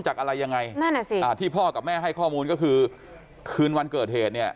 จากอะไรยังไงที่พ่อกับแม่ให้ข้อมูลก็คือคืนวันเกิดเหตุเนี่ย